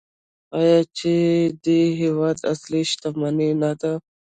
آیا چې د دې هیواد اصلي شتمني نه ده؟